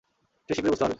সে শীঘ্রই বুঝতে পারবে।